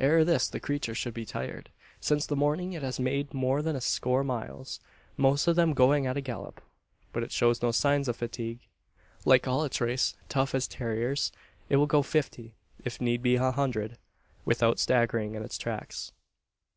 Ere this the creature should be tired. Since the morning it has made more than a score miles most of them going at a gallop. But it shows no signs of fatigue. Like all its race tough as terriers it will go fifty if need be a hundred without staggering in its tracks.